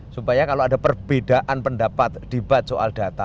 supaya kalau ada perbedaan pendapat debat soal data